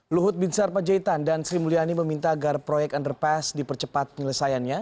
luhut bin sarpajaitan dan sri mulyani meminta agar proyek underpass dipercepat penyelesaiannya